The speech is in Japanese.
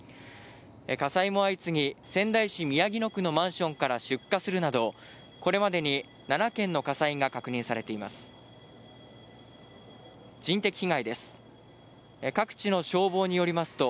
火災も相次ぎ仙台市宮城野区のマンションから出火するなど、これまでに７件の火災が確認されています。